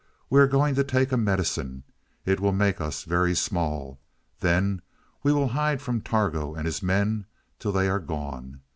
"We are going to take a medicine; it will make us very small. Then we will hide from Targo and his men till they are gone.